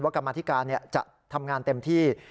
กรรมธิการจะทำงานเต็มที่